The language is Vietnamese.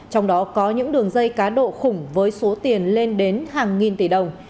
trong đó có những đường dây cá độ khủng với số tiền lên đến hàng nghìn tỷ đồng